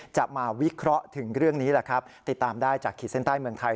จะมาวิเคราะห์ถึงเรื่องนี้แหละครับติดตามได้จากขีดเส้นใต้เมืองไทย